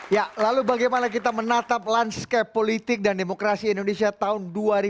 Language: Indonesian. ya lalu bagaimana kita menatap landscape politik dan demokrasi indonesia tahun dua ribu dua puluh